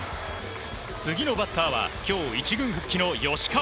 次のバッターは今日、１軍復帰の吉川。